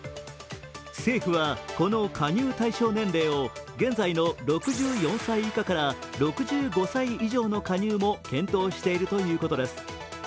政府は、この加入対象年齢を現在の６４歳以下から６５歳以上の加入も検討しているということです。